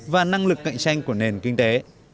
và năng lực cạnh tranh của nền kinh tế